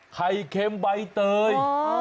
ไข่เค็มใบเตย